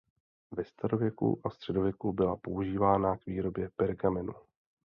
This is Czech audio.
Ve starověku a středověku byla používána k výrobě pergamenu.